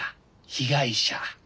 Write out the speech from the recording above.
被害者。